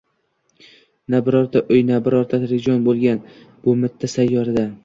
na birorta uy, na birorta tirik jon bo‘lgan bu mitti sayyorada